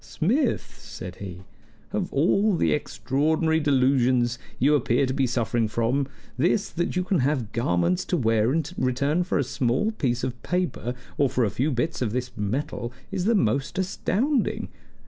"Smith," said he, "of all the extraordinary delusions you appear to be suffering from, this, that you can have garments to wear in return for a small piece of paper, or for a few bits of this metal, is the most astounding!